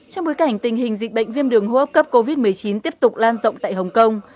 trong bối cảnh tình hình dịch bệnh viêm đường hô hấp cấp covid một mươi chín tiếp tục lan rộng tại hồng kông